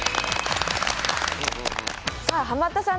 さあハマったさん